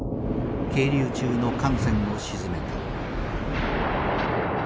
係留中の艦船を沈めた。